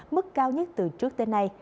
mức cao nhất từ trước tới nay